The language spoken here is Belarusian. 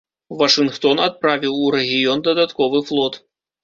Вашынгтон адправіў у рэгіён дадатковы флот.